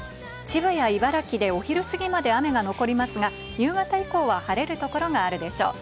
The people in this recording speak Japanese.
千葉や茨城でお昼過ぎまで雨が残りますが、夕方以降は晴れる所があるでしょう。